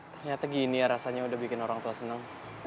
ternyata gini ya rasanya udah bikin orang tua senang